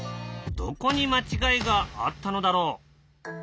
どこに間違いがあったのだろう？